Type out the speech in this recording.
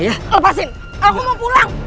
lepasin aku mau pulang